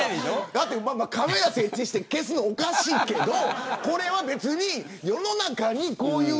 だって、カメラ設置して消すのはおかしいけどこれは別に、世の中にこういう。